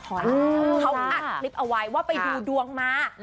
เขาอัดคลิปเอาไว้ว่าไปดูดวงมา